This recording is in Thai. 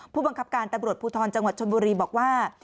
ผู้บังคับการตำรวจภูทรจังหวัดชนบุรีบอกว่า